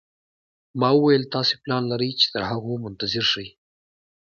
ما وویل: تاسي پلان لرئ چې تر هغو منتظر شئ.